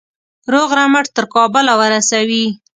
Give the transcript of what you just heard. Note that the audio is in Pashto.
روغ رمټ تر کابله ورسوي.